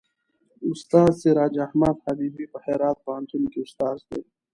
استاد سراج احمد حبیبي په هرات پوهنتون کې استاد دی.